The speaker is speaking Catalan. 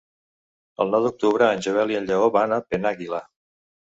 El nou d'octubre en Joel i en Lleó van a Penàguila.